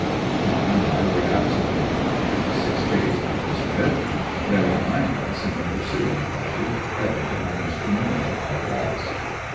John and I were absent from our camp, six days on this trip. There were nine of us in the persuing party, headed by Mr. Moore, our boss.